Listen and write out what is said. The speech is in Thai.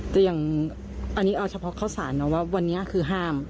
แต่อย่างอันนี้เอาเฉพาะข้าวสารนะว่าวันนี้คือห้าม